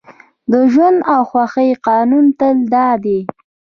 د ژوند او خوښۍ قانون تل دا دی